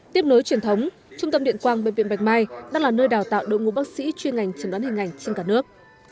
tiếp nối truyền thống trung tâm điện quang bệnh viện bạch mai đang là nơi đào tạo đội ngũ bác sĩ chuyên ngành trần đoán hình ảnh trên cả nước